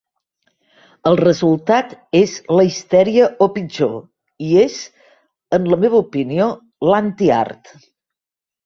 El resultat és la histèria o pitjor, i és, en la meva opinió, l'antiart.